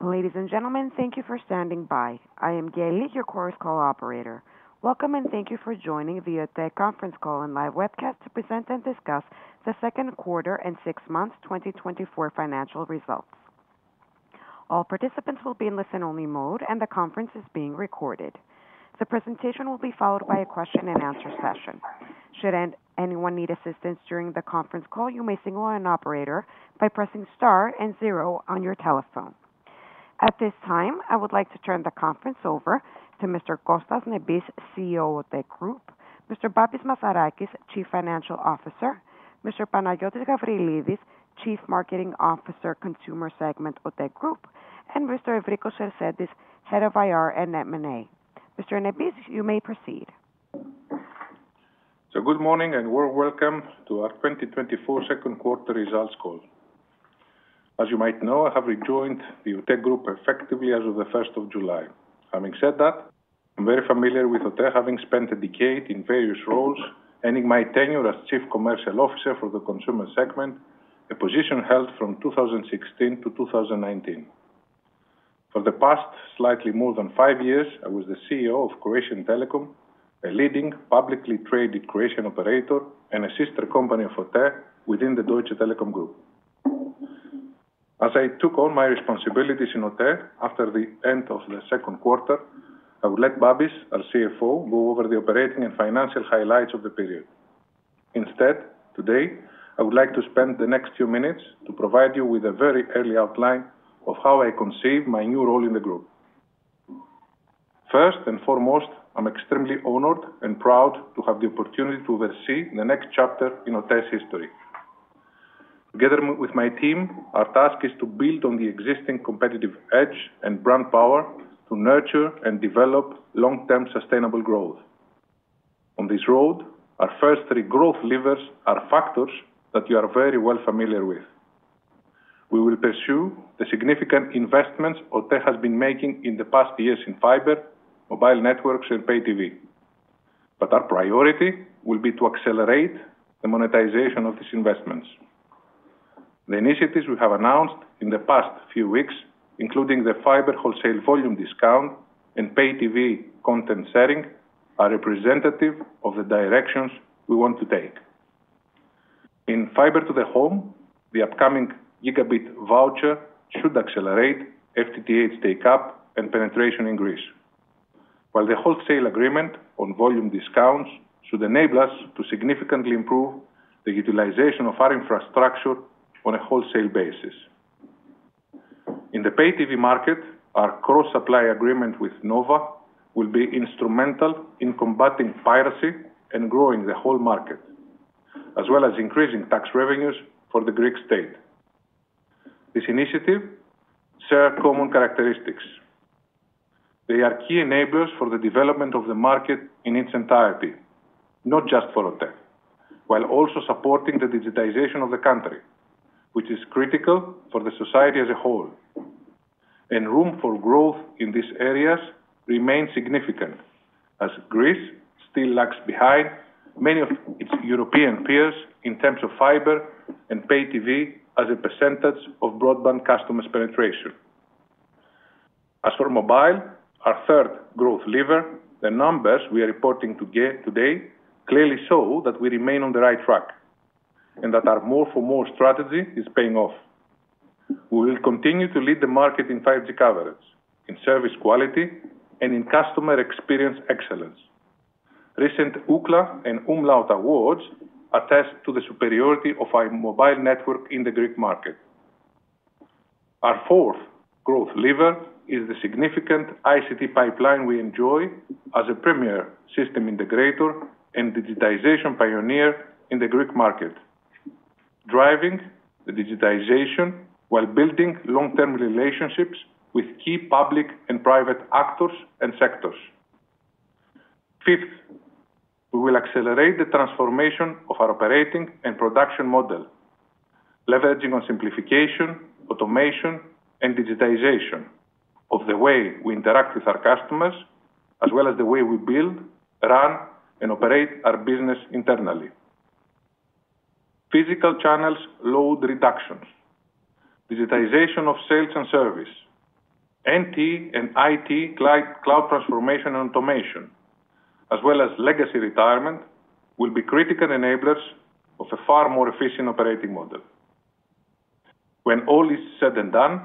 Ladies and gentlemen, thank you for standing by. I am Gael, your Chorus Call operator. Welcome and thank you for joining the OTE Conference Call and live webcast to present and discuss the Second Quarter and six months 2024 Financial Results. All participants will be in listen-only mode, and the conference is being recorded. The presentation will be followed by a question-and-answer session. Should anyone need assistance during the conference call, you may signal an operator by pressing star and zero on your telephone. At this time, I would like to turn the conference over to Mr. Kostas Nebis, CEO of the Group; Mr. Babis Mazarakis, Chief Financial Officer; Mr. Panayiotis Gabrielides, Chief Marketing Officer, Consumer Segment of the Group; and Mr. Evrikos Sarsentis, Head of IR and M&A. Mr. Nebis, you may proceed. So good morning and warm welcome to our 2024 second quarter results call. As you might know, I have rejoined the OTE Group effectively as of the 1st of July. Having said that, I'm very familiar with OTE, having spent a decade in various roles, ending my tenure as Chief Commercial Officer for the Consumer Segment, a position held from 2016-2019. For the past slightly more than five years, I was the CEO of Hrvatski Telekom, a leading publicly traded Croatian operator and a sister company of OTE within the Deutsche Telekom Group. As I took on my responsibilities in OTE after the end of the second quarter, I would like Babis, our CFO, to go over the operating and financial highlights of the period. Instead, today, I would like to spend the next few minutes to provide you with a very early outline of how I conceive my new role in the group. First and foremost, I'm extremely honored and proud to have the opportunity to oversee the next chapter in OTE's history. Together with my team, our task is to build on the existing competitive edge and brand power to nurture and develop long-term sustainable growth. On this road, our first three growth levers are factors that you are very well familiar with. We will pursue the significant investments OTE has been making in the past years in fiber, mobile networks, and pay TV, but our priority will be to accelerate the monetization of these investments. The initiatives we have announced in the past few weeks, including the fiber wholesale volume discount and pay TV content sharing, are representative of the directions we want to take. In fiber to the home, the upcoming Gigabit Voucher should accelerate FTTH take-up and penetration in Greece, while the wholesale agreement on volume discounts should enable us to significantly improve the utilization of our infrastructure on a wholesale basis. In the pay TV market, our cross-supply agreement with Nova will be instrumental in combating piracy and growing the whole market, as well as increasing tax revenues for the Greek state. This initiative shares common characteristics. They are key enablers for the development of the market in its entirety, not just for OTE, while also supporting the digitization of the country, which is critical for the society as a whole. Room for growth in these areas remains significant, as Greece still lags behind many of its European peers in terms of fiber and pay TV as a percentage of broadband customers' penetration. As for mobile, our third growth lever, the numbers we are reporting today clearly show that we remain on the right track and that our more-for-more strategy is paying off. We will continue to lead the market in 5G coverage, in service quality, and in customer experience excellence. Recent Ookla and Umlaut awards attest to the superiority of our mobile network in the Greek market. Our fourth growth lever is the significant ICT pipeline we enjoy as a premier system integrator and digitization pioneer in the Greek market, driving the digitization while building long-term relationships with key public and private actors and sectors. Fifth, we will accelerate the transformation of our operating and production model, leveraging on simplification, automation, and digitization of the way we interact with our customers, as well as the way we build, run, and operate our business internally. Physical channels load reductions, digitization of sales and service, NT and IT cloud transformation and automation, as well as legacy retirement, will be critical enablers of a far more efficient operating model. When all is said and done,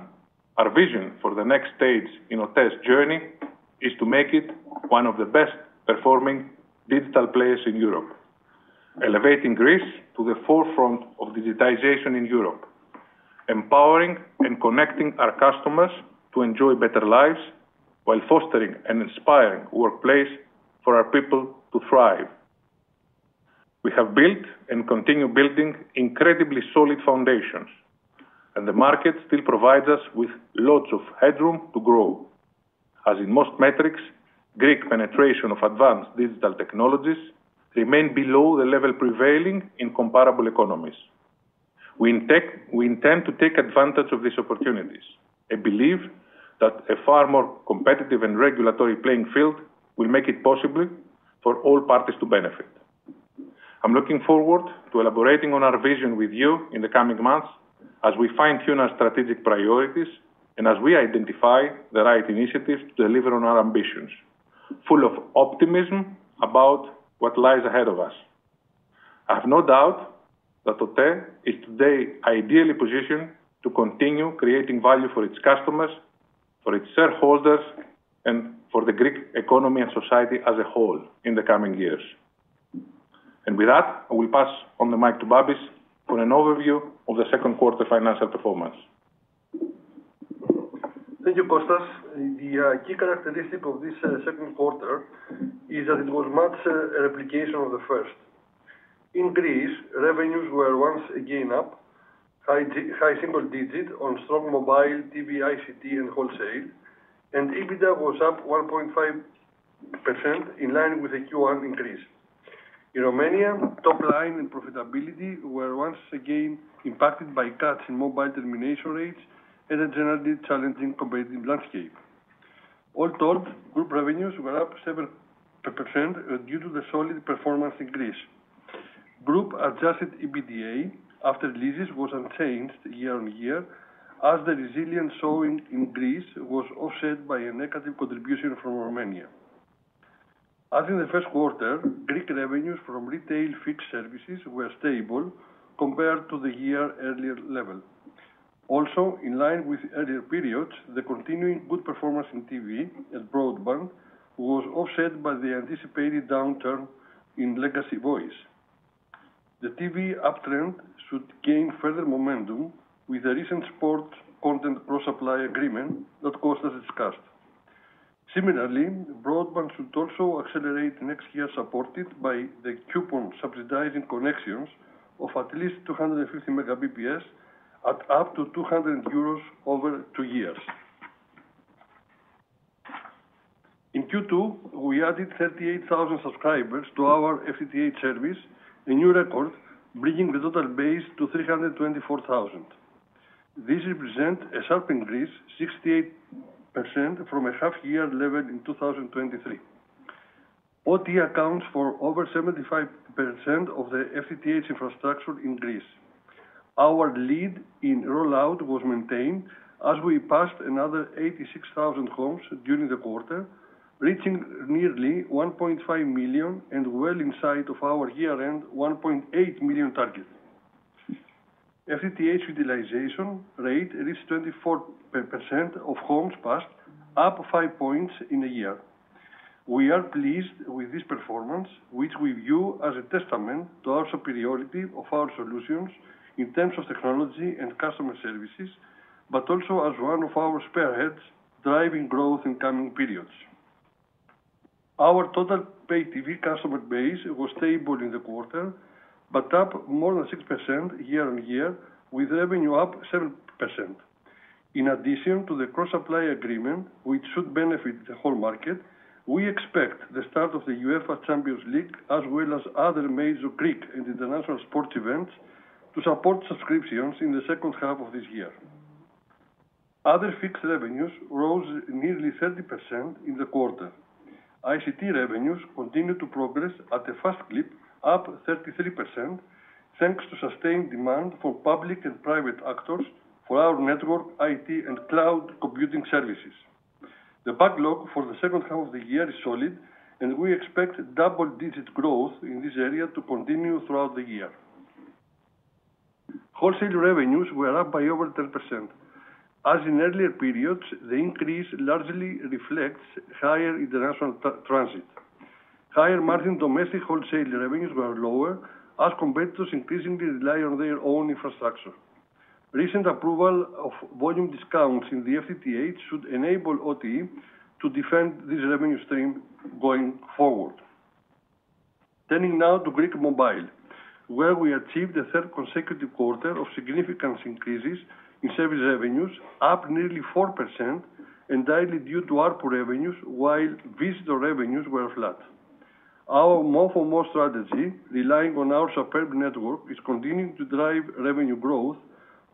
our vision for the next stage in OTE's journey is to make it one of the best-performing digital players in Europe, elevating Greece to the forefront of digitization in Europe, empowering and connecting our customers to enjoy better lives while fostering an inspiring workplace for our people to thrive. We have built and continue building incredibly solid foundations, and the market still provides us with lots of headroom to grow. As in most metrics, Greek penetration of advanced digital technologies remains below the level prevailing in comparable economies. We intend to take advantage of these opportunities and believe that a far more competitive and regulatory playing field will make it possible for all parties to benefit. I'm looking forward to elaborating on our vision with you in the coming months as we fine-tune our strategic priorities and as we identify the right initiatives to deliver on our ambitions, full of optimism about what lies ahead of us. I have no doubt that OTE is today ideally positioned to continue creating value for its customers, for its shareholders, and for the Greek economy and society as a whole in the coming years. And with that, I will pass on the mic to Babis for an overview of the second quarter financial performance. Thank you, Kostas. The key characteristic of this second quarter is that it was much a replication of the first. In Greece, revenues were once again up high single digit on strong mobile, TV, ICT, and wholesale, and EBITDA was up 1.5% in line with the Q1 increase. In Romania, top line and profitability were once again impacted by cuts in mobile termination rates and a generally challenging competitive landscape. All told, group revenues were up 7% due to the solid performance in Greece. Group adjusted EBITDA after leases was unchanged year-on-year, as the resilience showing in Greece was offset by a negative contribution from Romania. As in the first quarter, Greek revenues from retail fixed services were stable compared to the year earlier level. Also, in line with earlier periods, the continuing good performance in TV and broadband was offset by the anticipated downturn in legacy voice. The TV uptrend should gain further momentum with the recent sport content cross-supply agreement that Kostas discussed. Similarly, broadband should also accelerate next year, supported by the coupon subsidizing connections of at least 250 Mbps at up to 200 euros over two years. In Q2, we added 38,000 subscribers to our FTTH service, a new record, bringing the total base to 324,000. This represents a sharp increase of 68% from a half-year level in 2023. OTE accounts for over 75% of the FTTH infrastructure in Greece. Our lead in rollout was maintained as we passed another 86,000 homes during the quarter, reaching nearly 1.5 million and well inside of our year-end 1.8 million target. FTTH utilization rate reached 24% of homes passed, up five points in a year. We are pleased with this performance, which we view as a testament to our superiority of our solutions in terms of technology and customer services, but also as one of our spearheads driving growth in coming periods. Our total pay TV customer base was stable in the quarter, but up more than 6% year-over-year, with revenue up 7%. In addition to the cross-supply agreement, which should benefit the whole market, we expect the start of the UEFA Champions League, as well as other major Greek and international sports events, to support subscriptions in the second half of this year. Other fixed revenues rose nearly 30% in the quarter. ICT revenues continued to progress at a fast clip, up 33%, thanks to sustained demand from public and private actors for our network, IT, and cloud computing services. The backlog for the second half of the year is solid, and we expect double-digit growth in this area to continue throughout the year. Wholesale revenues were up by over 10%. As in earlier periods, the increase largely reflects higher international transit. Higher margin domestic wholesale revenues were lower as competitors increasingly rely on their own infrastructure. Recent approval of volume discounts in the FTTH should enable OTE to defend this revenue stream going forward. Turning now to Greek mobile, where we achieved the third consecutive quarter of significant increases in service revenues, up nearly 4% entirely due to ARPU revenues, while visitor revenues were flat. Our more-for-more strategy, relying on our superb network, is continuing to drive revenue growth,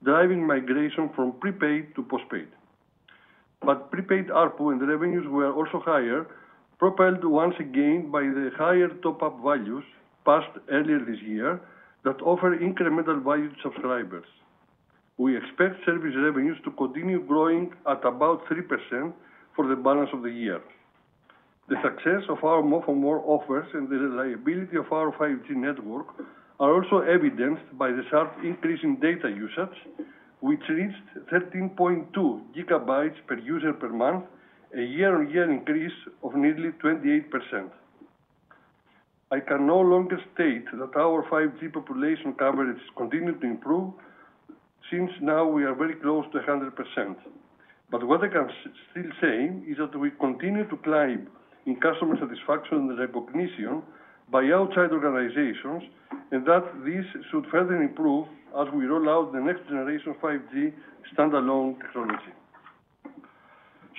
driving migration from prepaid to postpaid. But prepaid ARPU and revenues were also higher, propelled once again by the higher top-up values passed earlier this year that offer incremental value to subscribers. We expect service revenues to continue growing at about 3% for the balance of the year. The success of our more-for-more offers and the reliability of our 5G network are also evidenced by the sharp increase in data usage, which reached 13.2 GB per user per month, a year-on-year increase of nearly 28%. I can no longer state that our 5G population coverage continued to improve since now we are very close to 100%. But what I can still say is that we continue to climb in customer satisfaction and recognition by outside organizations, and that this should further improve as we roll out the next-generation 5G standalone technology.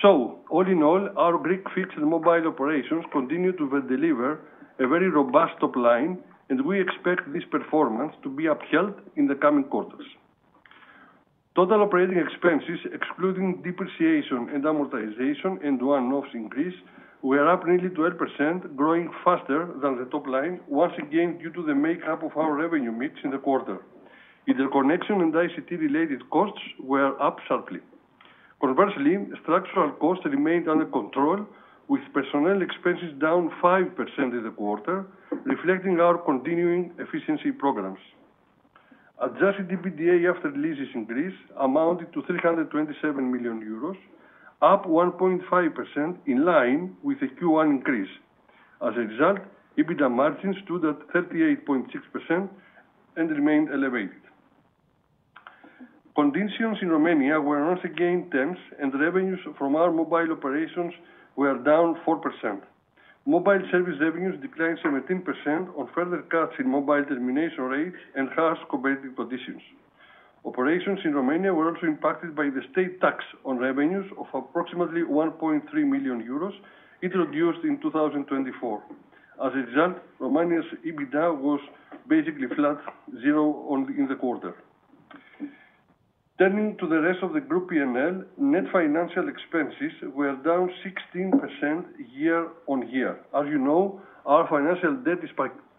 So, all in all, our Greek fixed mobile operations continue to deliver a very robust top line, and we expect this performance to be upheld in the coming quarters. Total operating expenses, excluding depreciation and amortization and one-offs in Greece, were up nearly 12%, growing faster than the top line, once again due to the makeup of our revenue mix in the quarter. Interconnection and ICT-related costs were up sharply. Conversely, structural costs remained under control, with personnel expenses down 5% this quarter, reflecting our continuing efficiency programs. Adjusted EBITDA after leases in Greece amounted to 327 million euros, up 1.5% in line with the Q1 increase. As a result, EBITDA margins stood at 38.6% and remained elevated. Conditions in Romania were once again tense, and revenues from our mobile operations were down 4%. Mobile service revenues declined 17% on further cuts in mobile termination rates and harsh competitive conditions. Operations in Romania were also impacted by the state tax on revenues of approximately 1.3 million euros introduced in 2024. As a result, Romania's EBITDA was basically flat, zero in the quarter. Turning to the rest of the group P&L, net financial expenses were down 16% year-on-year. As you know, our financial debt is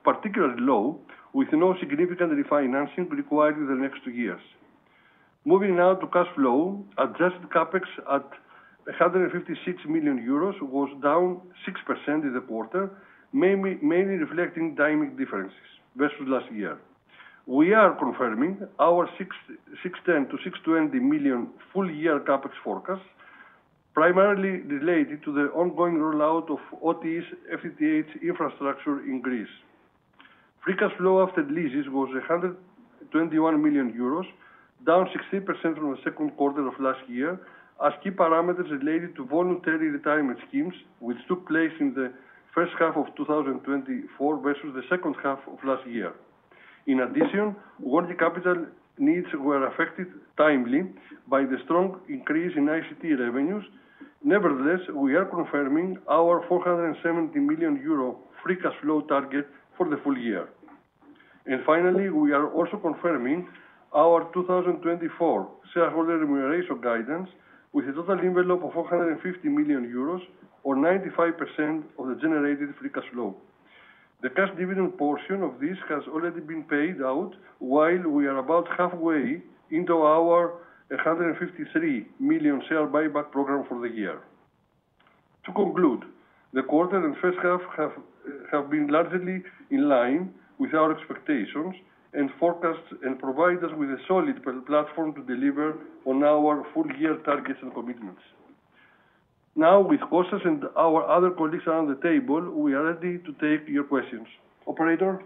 particularly low, with no significant refinancing required in the next two years. Moving now to cash flow, adjusted CapEx at 156 million euros was down 6% this quarter, mainly reflecting timing differences versus last year. We are confirming our 610 million-620 million full-year CAPEX forecast, primarily related to the ongoing rollout of OTE's FTTH infrastructure in Greece. Free cash flow after leases was 121 million euros, down 60% from the second quarter of last year, as key parameters related to voluntary retirement schemes, which took place in the first half of 2024 versus the second half of last year. In addition, working capital needs were affected by the timing of the strong increase in ICT revenues. Nevertheless, we are confirming our 470 million euro free cash flow target for the full year. And finally, we are also confirming our 2024 shareholder remuneration guidance, with a total envelope of 450 million euros, or 95% of the generated free cash flow. The cash dividend portion of this has already been paid out, while we are about halfway into our 153 million share buyback program for the year. To conclude, the quarter and first half have been largely in line with our expectations and forecasts and provide us with a solid platform to deliver on our full-year targets and commitments. Now, with Kostas and our other colleagues around the table, we are ready to take your questions. Operator.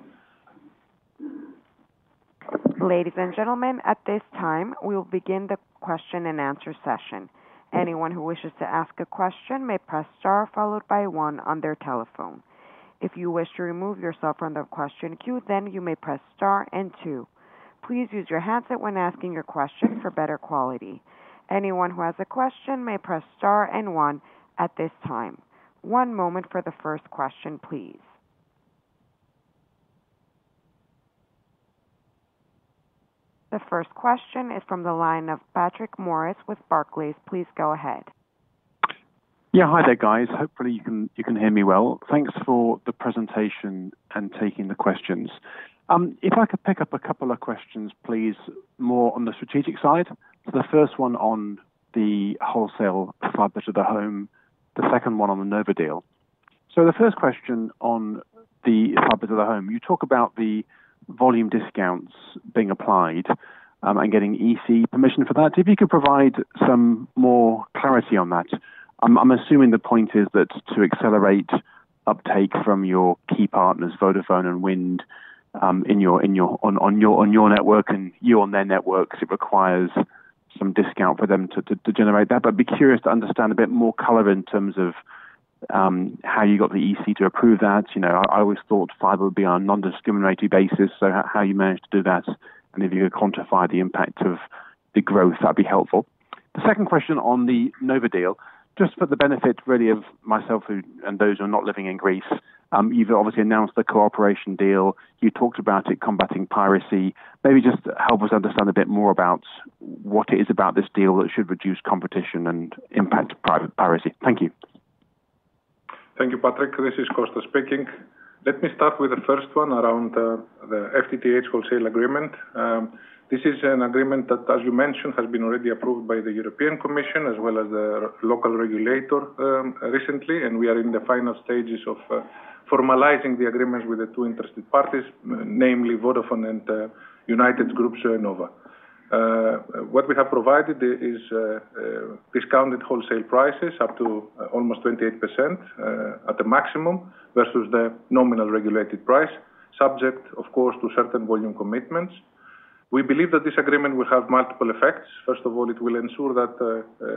Ladies and gentlemen, at this time, we will begin the question-and-answer session. Anyone who wishes to ask a question may press star followed by one on their telephone. If you wish to remove yourself from the question queue, then you may press star and two. Please use your handset when asking your question for better quality. Anyone who has a question may press star and one at this time. One moment for the first question, please. The first question is from the line of Maurice Patrick with Barclays. Please go ahead. Yeah, hi there, guys. Hopefully, you can hear me well. Thanks for the presentation and taking the questions. If I could pick up a couple of questions, please, more on the strategic side. The first one on the wholesale fiber to the home, the second one on the Nova deal. So the first question on the fiber to the home, you talk about the volume discounts being applied and getting EC permission for that. If you could provide some more clarity on that. I'm assuming the point is that to accelerate uptake from your key partners, Vodafone and Wind, in your network and you on their networks, it requires some discount for them to generate that. But I'd be curious to understand a bit more color in terms of how you got the EC to approve that. I always thought fiber would be on a non-discriminatory basis, so how you managed to do that, and if you could quantify the impact of the growth, that'd be helpful. The second question on the Nova deal, just for the benefit really of myself and those who are not living in Greece. You've obviously announced the cooperation deal. You talked about it combating piracy. Maybe just help us understand a bit more about what it is about this deal that should reduce competition and impact pirate piracy. Thank you. Thank you, Patrick. This is Kostas speaking. Let me start with the first one around the FTTH wholesale agreement. This is an agreement that, as you mentioned, has been already approved by the European Commission as well as the local regulator recently, and we are in the final stages of formalizing the agreements with the two interested parties, namely Vodafone and United Group, so and Nova. What we have provided is discounted wholesale prices up to almost 28% at a maximum versus the nominal regulated price, subject, of course, to certain volume commitments. We believe that this agreement will have multiple effects. First of all, it will ensure that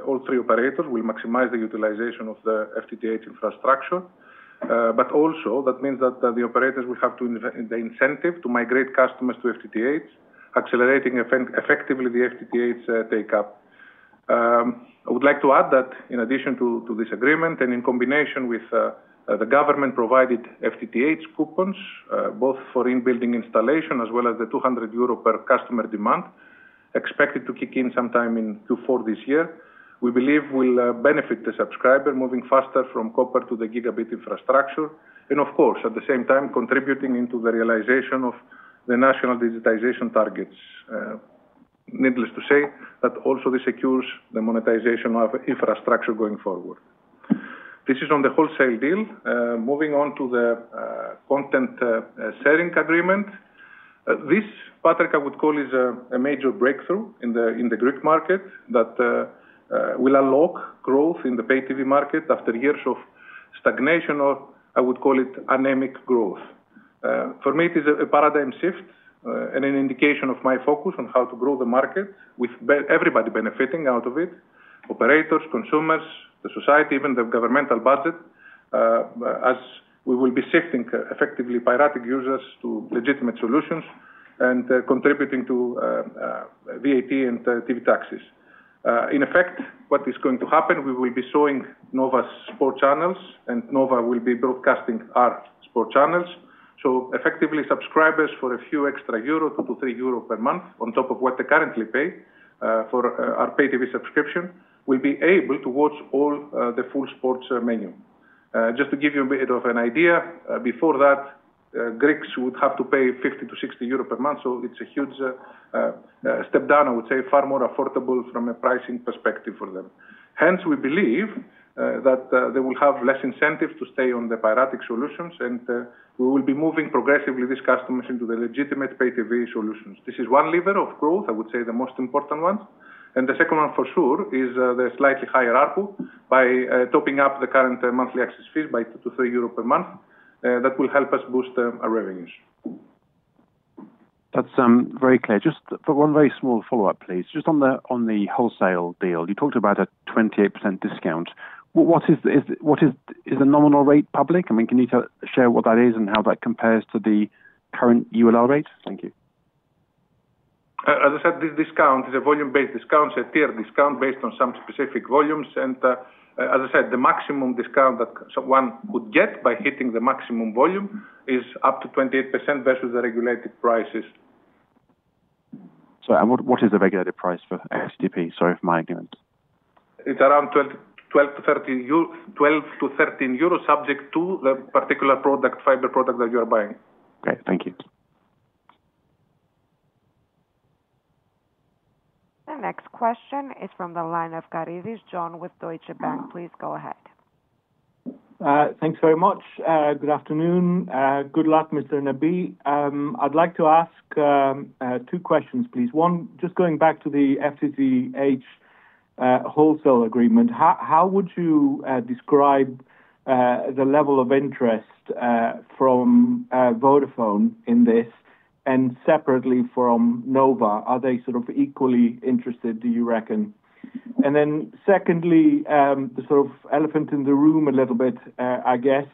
all three operators will maximize the utilization of the FTTH infrastructure. But also, that means that the operators will have the incentive to migrate customers to FTTH, accelerating effectively the FTTH take-up. I would like to add that in addition to this agreement and in combination with the government-provided FTTH coupons, both for in-building installation as well as the 200 euro per customer demand, expected to kick in sometime in Q4 this year, we believe will benefit the subscriber moving faster from copper to the gigabit infrastructure. Of course, at the same time, contributing into the realization of the national digitization targets. Needless to say, that also this secures the monetization of infrastructure going forward. This is on the wholesale deal. Moving on to the content sharing agreement, this, Patrick, I would call it a major breakthrough in the Greek market that will unlock growth in the pay TV market after years of stagnation or, I would call it, anemic growth. For me, it is a paradigm shift and an indication of my focus on how to grow the market with everybody benefiting out of it, operators, consumers, the society, even the governmental budget, as we will be shifting effectively pirating users to legitimate solutions and contributing to VAT and TV taxes. In effect, what is going to happen, we will be showing Nova's sport channels, and Nova will be broadcasting our sport channels. So effectively, subscribers for a few extra euros, 2-3 euro per month, on top of what they currently pay for our pay TV subscription, will be able to watch all the full sports menu. Just to give you a bit of an idea, before that, Greeks would have to pay 50-60 euro per month, so it's a huge step down, I would say, far more affordable from a pricing perspective for them. Hence, we believe that they will have less incentive to stay on the pirating solutions, and we will be moving progressively these customers into the legitimate Pay TV solutions. This is one lever of growth, I would say the most important one. And the second one, for sure, is the slightly higher ARPU by topping up the current monthly access fees by 2-3 euro per month. That will help us boost our revenues. That's very clear. Just for one very small follow-up, please. Just on the wholesale deal, you talked about a 28% discount. What is the nominal rate, public? I mean, can you share what that is and how that compares to the current ULR rate? Thank you. As I said, this discount is a volume-based discount, so a tiered discount based on some specific volumes. And as I said, the maximum discount that one could get by hitting the maximum volume is up to 28% versus the regulated prices. Sorry, what is the regulated price for FTTP, sorry, for my agreement? It's around 12-13 euro, subject to the particular product, fiber product that you are buying. Okay, thank you. The next question is from the line of John Karidis with Deutsche Bank. Please go ahead. Thanks very much. Good afternoon. Good luck, Mr. Nebis. I'd like to ask two questions, please. One, just going back to the FTTH wholesale agreement, how would you describe the level of interest from Vodafone in this? And separately from Nova, are they sort of equally interested, do you reckon? And then secondly, the sort of elephant in the room a little bit, I guess.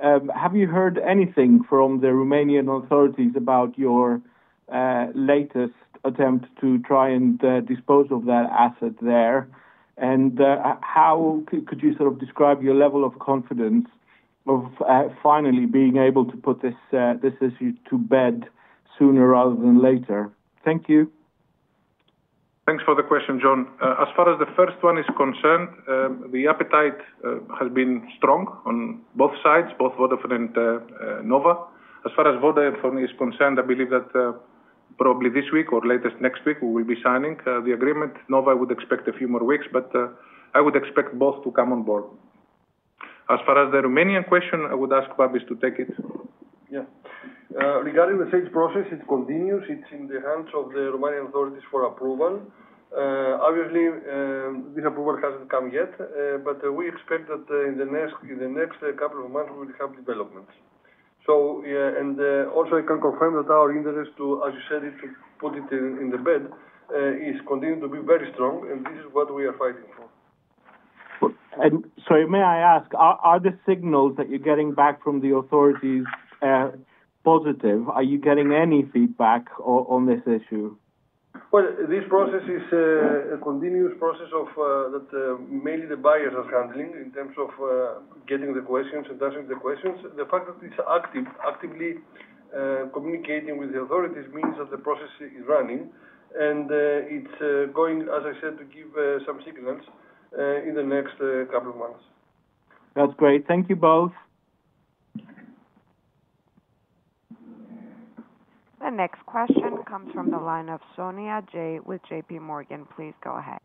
Have you heard anything from the Romanian authorities about your latest attempt to try and dispose of that asset there? And how could you sort of describe your level of confidence of finally being able to put this issue to bed sooner rather than later? Thank you. Thanks for the question, John. As far as the first one is concerned, the appetite has been strong on both sides, both Vodafone and Nova. As far as Vodafone is concerned, I believe that probably this week or latest next week, we will be signing the agreement. Nova would expect a few more weeks, but I would expect both to come on board. As far as the Romanian question, I would ask Babis to take it. Yeah. Regarding the sales process, it continues. It's in the hands of the Romanian authorities for approval. Obviously, this approval hasn't come yet, but we expect that in the next couple of months, we will have developments. And also, I can confirm that our interest to, as you said, to put in a bid is continuing to be very strong, and this is what we are fighting for. So may I ask, are the signals that you're getting back from the authorities positive? Are you getting any feedback on this issue? Well, this process is a continuous process that mainly the buyers are handling in terms of getting the questions and answering the questions. The fact that it's actively communicating with the authorities means that the process is running, and it's going, as I said, to give some stimulants in the next couple of months. That's great. Thank you both. The next question comes from the line of Ajay Soni with J.P. Morgan. Please go ahead.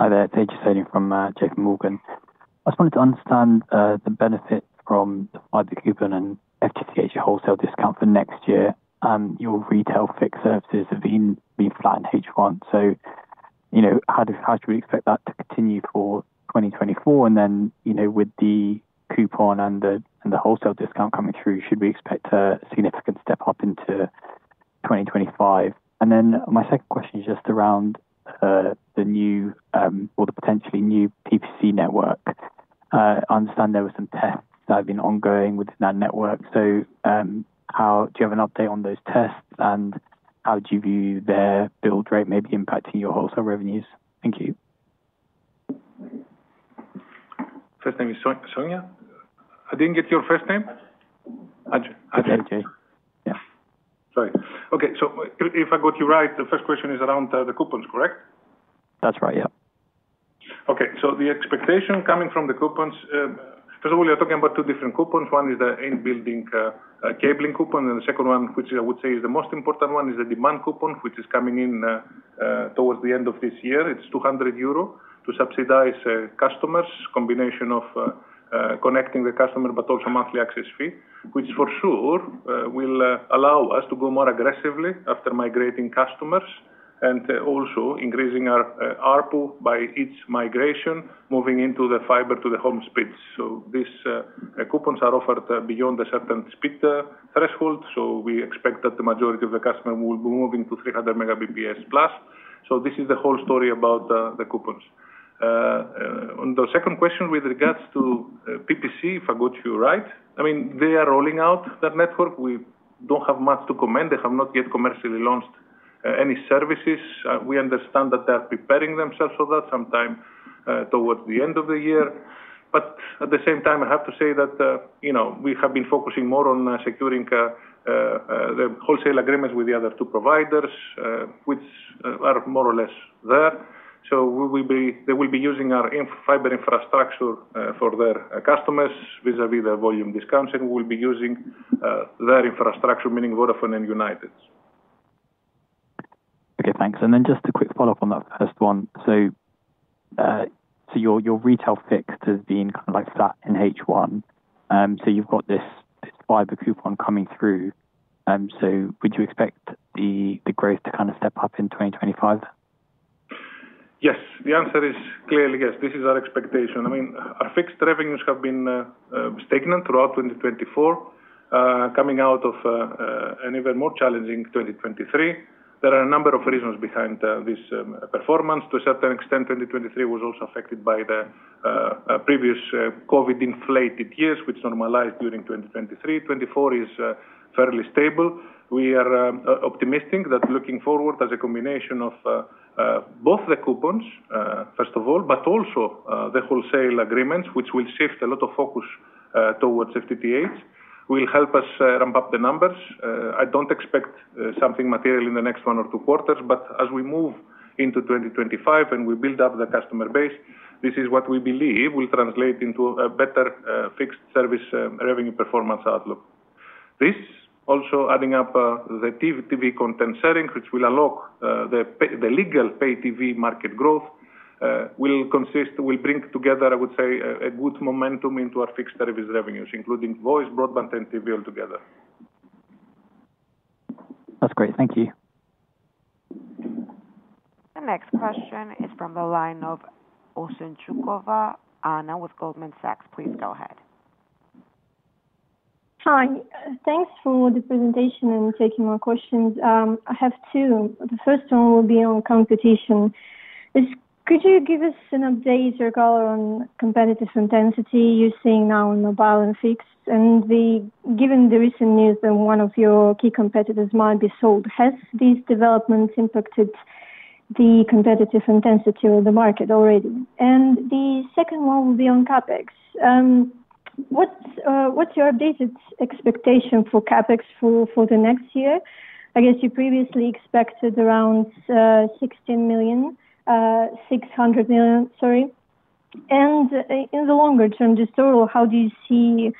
Hi there. Thank you, Ajay Soni, from J.P. Morgan. I just wanted to understand the benefit from the fiber voucher and FTTH wholesale discount for next year. Your retail fixed services have been flat in H1, so how should we expect that to continue for 2024? And then with the voucher and the wholesale discount coming through, should we expect a significant step up into 2025? And then my second question is just around the new or the potentially new PPC network. I understand there were some tests that have been ongoing within that network. So do you have an update on those tests, and how do you view their build rate maybe impacting your wholesale revenues? Thank you. First name, Ajay? I didn't get your first name. Ajay. Sorry. Okay, so if I got you right, the first question is around the coupons, correct? That's right, yeah. Okay, so the expectation coming from the coupons, first of all, you're talking about two different coupons. One is the in-building cabling coupon, and the second one, which I would say is the most important one, is the demand coupon, which is coming in towards the end of this year. It's 200 euro to subsidize customers, a combination of connecting the customer, but also monthly access fee, which for sure will allow us to go more aggressively after migrating customers and also increasing our ARPU by each migration, moving into the fiber to the home speeds. So these coupons are offered beyond a certain speed threshold, so we expect that the majority of the customers will be moving to 300+ Mbps. So this is the whole story about the coupons. On the second question with regards to PPC, if I got you right, I mean, they are rolling out that network. We don't have much to comment. They have not yet commercially launched any services. We understand that they are preparing themselves for that sometime towards the end of the year. But at the same time, I have to say that we have been focusing more on securing the wholesale agreements with the other two providers, which are more or less there. So they will be using our fiber infrastructure for their customers vis-à-vis their volume discounts, and we will be using their infrastructure, meaning Vodafone and United. Okay, thanks. And then just a quick follow-up on that first one. So your retail fixed has been kind of like flat in H1. So you've got this Gigabit Voucher coming through. So would you expect the growth to kind of step up in 2025? Yes. The answer is clearly yes. This is our expectation. I mean, our fixed revenues have been stagnant throughout 2024, coming out of an even more challenging 2023. There are a number of reasons behind this performance. To a certain extent, 2023 was also affected by the previous COVID-inflated years, which normalized during 2023. 2024 is fairly stable. We are optimistic that looking forward as a combination of both the coupons, first of all, but also the wholesale agreements, which will shift a lot of focus towards FTTH, will help us ramp up the numbers. I don't expect something material in the next one or two quarters, but as we move into 2025 and we build up the customer base, this is what we believe will translate into a better fixed service revenue performance outlook. This, also adding up the TV content sharing, which will unlock the legal pay TV market growth, will bring together, I would say, a good momentum into our fixed service revenues, including voice, broadband, and TV altogether. That's great. Thank you. The next question is from the line of Oche Chukwuka with Goldman Sachs. Please go ahead. Hi. Thanks for the presentation and taking my questions. I have two. The first one will be on competition. Could you give us an update or color on competitive intensity you're seeing now in mobile and fixed? And given the recent news that one of your key competitors might be sold, has these developments impacted the competitive intensity of the market already? And the second one will be on CapEx. What's your updated expectation for CapEx for the next year? I guess you previously expected around 600 million, sorry. And in the longer term, just overall, how do you see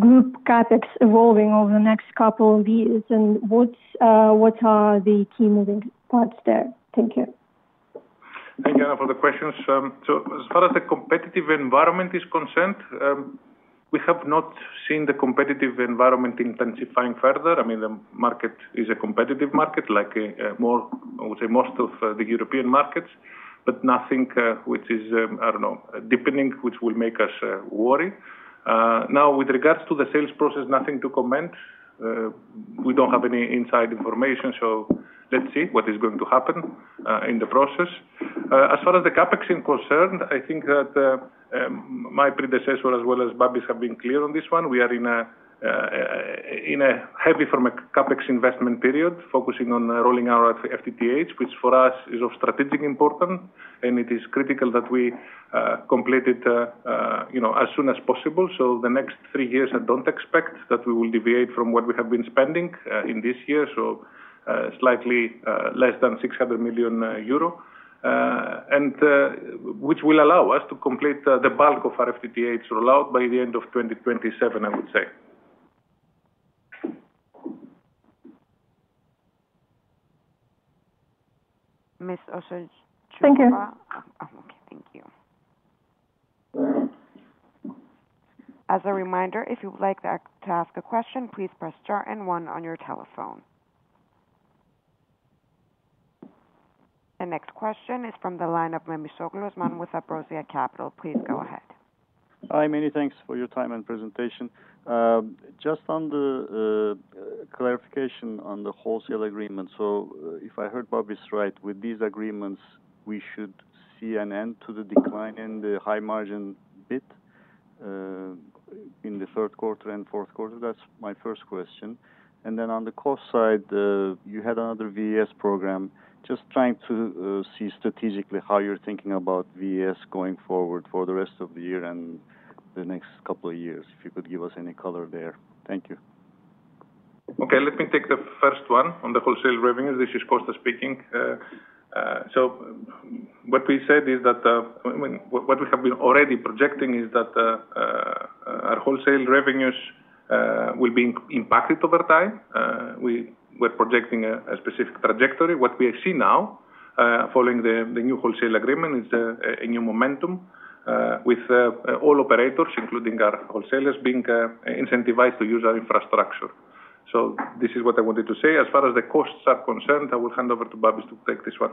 group CapEx evolving over the next couple of years? And what are the key moving parts there? Thank you. Again, for the questions, so as far as the competitive environment is concerned, we have not seen the competitive environment intensifying further. I mean, the market is a competitive market, like most of the European markets, but nothing which is, I don't know, deepening, which will make us worry. Now, with regards to the sales process, nothing to comment. We don't have any inside information, so let's see what is going to happen in the process. As far as the CapEx is concerned, I think that my predecessor, as well as Babis, have been clear on this one. We are in a heavy CapEx investment period, focusing on rolling out FTTH, which for us is of strategic importance, and it is critical that we complete it as soon as possible. So the next three years, I don't expect that we will deviate from what we have been spending in this year, so slightly less than 600 million euro, which will allow us to complete the bulk of our FTTH rollout by the end of 2027, I would say. Ms. Oche Chukwuka? Thank you. Okay, thank you. As a reminder, if you would like to ask a question, please press star and one on your telephone. The next question is from the line of Osman Memisoglu with Ambrosia Capital. Please go ahead. Hi, many thanks for your time and presentation. Just on the clarification on the wholesale agreement, so if I heard Babis right, with these agreements, we should see an end to the decline in the high margin bit in the third quarter and fourth quarter. That's my first question. And then on the cost side, you had another VES program. Just trying to see strategically how you're thinking about VES going forward for the rest of the year and the next couple of years, if you could give us any color there. Thank you. Okay, let me take the first one on the wholesale revenues. This is Kostas speaking. So what we said is that what we have been already projecting is that our wholesale revenues will be impacted over time. We were projecting a specific trajectory. What we see now, following the new wholesale agreement, is a new momentum with all operators, including our wholesalers, being incentivized to use our infrastructure. So this is what I wanted to say. As far as the costs are concerned, I will hand over to Babis to take this one.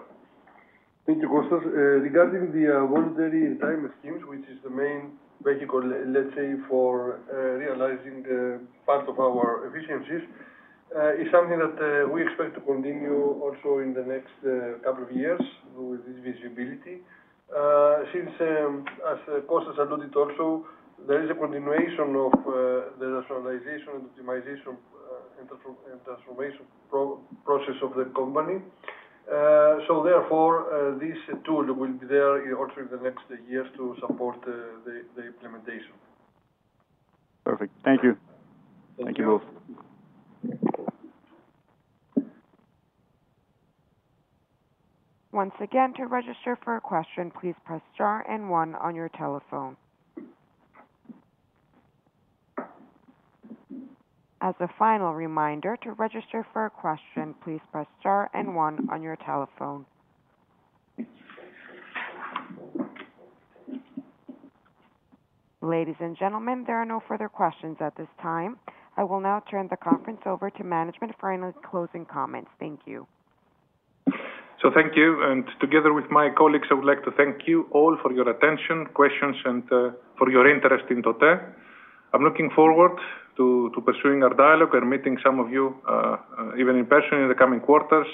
Thank you, Kostas. Regarding the voluntary retirement schemes, which is the main vehicle, let's say, for realizing part of our efficiencies, it's something that we expect to continue also in the next couple of years with this visibility. Since, as Kostas alluded also, there is a continuation of the nationalization and optimization and transformation process of the company. So therefore, this tool will be there also in the next years to support the implementation. Perfect. Thank you. Thank you both. Once again, to register for a question, please press star and one on your telephone. As a final reminder, to register for a question, please press star and one on your telephone. Ladies and gentlemen, there are no further questions at this time. I will now turn the conference over to management for any closing comments. Thank you. Thank you. Together with my colleagues, I would like to thank you all for your attention, questions, and for your interest in OTE. I'm looking forward to pursuing our dialogue and meeting some of you, even in person, in the coming quarters.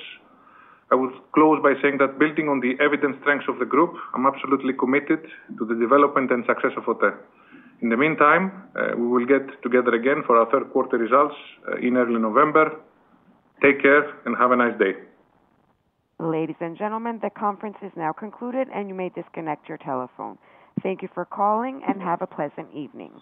I will close by saying that building on the evident strengths of the group, I'm absolutely committed to the development and success of OTE. In the meantime, we will get together again for our third quarter results in early November. Take care and have a nice day. Ladies and gentlemen, the conference is now concluded, and you may disconnect your telephone. Thank you for calling and have a pleasant evening.